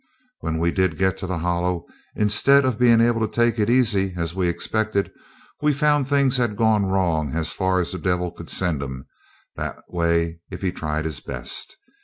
When we did get to the Hollow, instead of being able to take it easy, as we expected, we found things had gone wrong as far as the devil could send 'em that way if he tried his best.